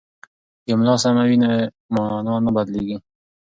که املا سمه وي نو مانا نه بدلیږي.